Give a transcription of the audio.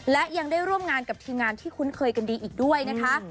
และยังได้ร่วมงานกับทีมงานที่คุ้นเคยกันดีอีกด้วยนะคะ